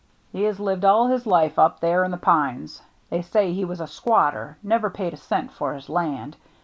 "He has lived all his life up there in the pines. They say he was a squatter — never paid a cent for his land.